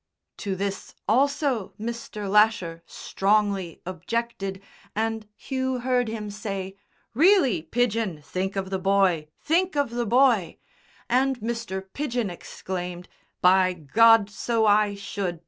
To this also Mr. Lasher strongly objected, and Hugh heard him say, "Really, Pidgen, think of the boy! Think of the boy!" and Mr. Pidgen exclaimed, "By God, so I should!...